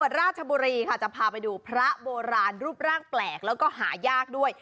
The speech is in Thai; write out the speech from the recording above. ราชบุรีค่ะจะพาไปดูพระโบราณรูปร่างแปลกแล้วก็หายากด้วย